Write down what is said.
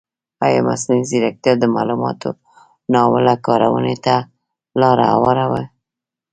ایا مصنوعي ځیرکتیا د معلوماتو ناوړه کارونې ته لاره نه هواروي؟